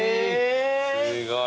すごい。